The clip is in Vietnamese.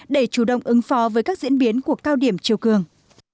để chủ động ứng phó với các diễn biến của cao điểm chiều cường